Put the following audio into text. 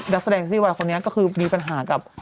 นักแสดงซีรีส์วายรุ่นบันถึงคนนี้มีปัญหากับ